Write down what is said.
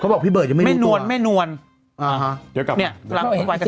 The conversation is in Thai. เขาบอกพี่เบิร์ตยังไม่รู้ตัวไม่นวลแบบนี้อะฮะ